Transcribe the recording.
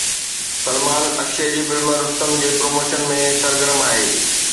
سلمان اڪشي جي فلم رستم جي پروموشن ۾ سرگرم آهي